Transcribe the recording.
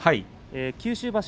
九州場所